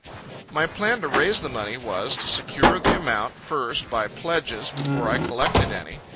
My plan to raise the money was, to secure the amount, first, by pledges, before I collected any....